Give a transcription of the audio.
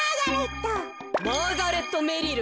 マーガレットメリル。